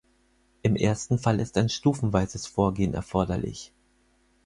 Im ersten Fall ist ein stufenweises Vorgehen erforderlich.